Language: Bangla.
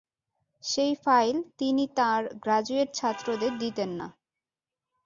সেই ফাইল তিনি তাঁর গ্রাজুয়েট ছাত্রদের দিতেন না।